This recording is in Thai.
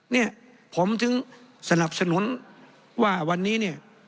เนี่ยผมถึงสนับสนุนว่าวันนี้เนี่ย